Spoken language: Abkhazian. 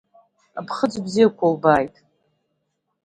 Аԥхыӡ бзиақәа убааит!